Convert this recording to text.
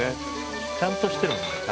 ちゃんとしてるもんね彼。